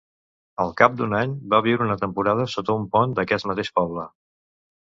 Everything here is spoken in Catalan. Al cap d'un any va viure una temporada sota un pont d'aquest mateix poble.